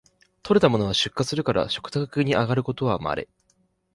採れたものは出荷するから食卓にあがることはまれ